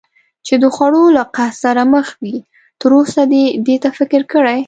چې د خوړو له قحط سره مخ وي، تراوسه دې دې ته فکر کړی؟